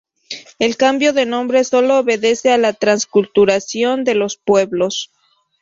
El cambio de nombre solo obedece a la transculturación de los pueblos.